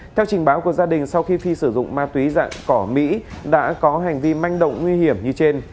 theo trình báo của gia đình sau khi phi sử dụng ma túy dạng cỏ mỹ đã có hành vi manh động nguy hiểm như trên